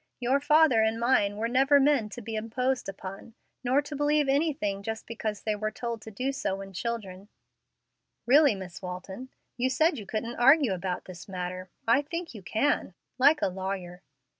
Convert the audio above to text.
Your father and mine were never men to be imposed upon, nor to believe anything just because they were told to do so when children." "Really, Miss Walton, you said you couldn't argue about this matter. I think you can, like a lawyer."